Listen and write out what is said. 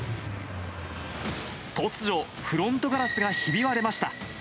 とつじょ、フロントガラスがひび割れました。